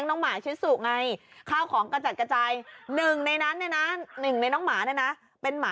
ห้งมันวิ่งตาม